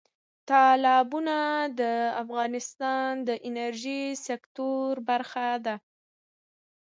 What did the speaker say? تالابونه د افغانستان د انرژۍ سکتور برخه ده.